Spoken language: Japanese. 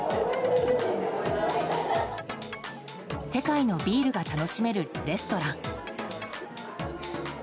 世界のビールが楽しめるレストラン。